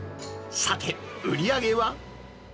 さて、売り上げは？